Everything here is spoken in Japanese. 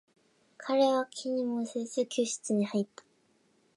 彼は気にもせず、教室に入った。